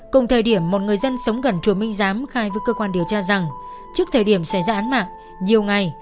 cùng thời điểm một người dân sống gần chùa minh giám khai với cơ quan điều tra rằng trước thời điểm xảy ra án mạng nhiều ngày